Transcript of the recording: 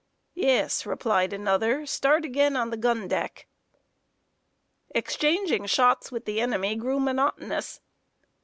"Yes," replied another. "Start again on the gun deck." Exchanging shots with the enemy grew monotonous.